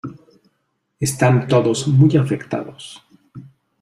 Están todos muy afectados.